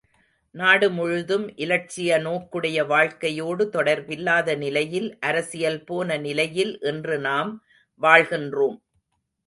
நாடு முழுதும் இலட்சிய நோக்குடைய வாழ்க்கையோடு தொடர்பில்லாத நிலையில் அரசியல் போனநிலையில் இன்று நாம் வாழ்கின்றோம்.